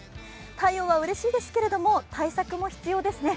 太陽はうれしいですけど対策も必要ですね。